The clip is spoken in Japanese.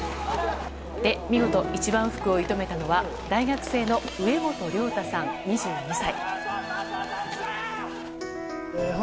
見事、一番福を射止めたのは大学生の植本亮太さん、２２歳。